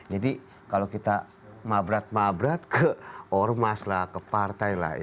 kalau kita mabrat mabrat ke ormas lah ke partai lah ya